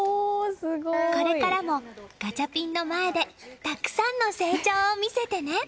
これからもガチャピンの前でたくさんの成長を見せてね。